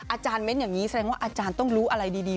อาจารย์เม้นอย่างนี้แสดงว่าอาจารย์ต้องรู้อะไรดี